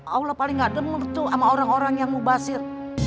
allah paling gak demam tuh sama orang orang yang mubasir